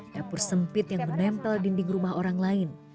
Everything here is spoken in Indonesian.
dapur sempit yang menempel dinding rumah orang lain